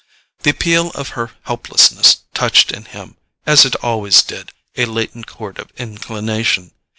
The appeal of her helplessness touched in him, as it always did, a latent chord of inclination.